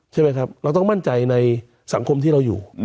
ใช่ไหมครับเราต้องมั่นใจในสังคมที่เราอยู่